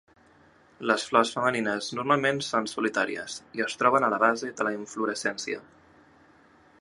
Les flors femenines normalment són solitàries i es troben a la base de la inflorescència.